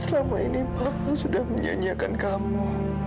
selama ini papa sudah menyanyiakan kamu